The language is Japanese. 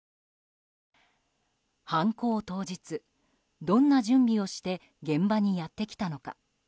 犯行当日、どんな準備をして現場にやってきたのか。